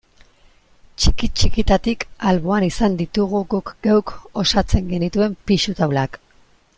Txiki-txikitatik alboan izan ditugu guk geuk osatzen genituen pisu taulak.